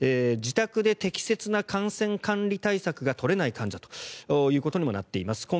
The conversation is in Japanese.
自宅で適切な感染管理対策が取れない患者ともなっています。